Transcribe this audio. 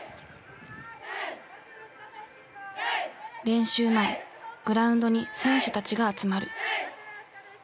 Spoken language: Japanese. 練習前グラウンドに選手たちが集まる。